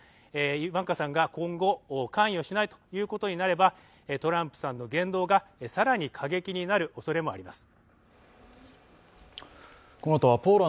イヴァンカさんが今後関与しないということになれはトランプさんの言動が更に過激になるおそれもあります。